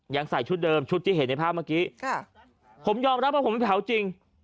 ใส่ชุดเดิมชุดที่เห็นในภาพเมื่อกี้ค่ะผมยอมรับว่าผมเผาจริง